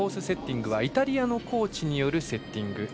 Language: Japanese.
セッティングはイタリアのコーチによるセッティング。